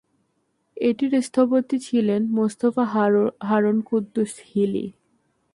এটির স্থপতি ছিলেন মোস্তফা হারুন কুদ্দুস হিলি।